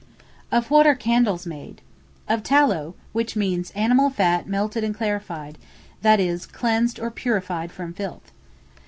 Of what are Candles made? Of Tallow, which means animal fat melted and clarified, that is, cleansed or purified from filth.